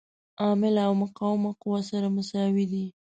عامله او مقاومه قوه سره مساوي دي.